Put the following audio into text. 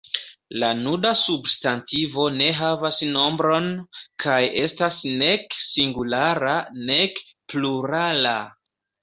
La nuda substantivo ne havas nombron, kaj estas nek singulara nek plurala.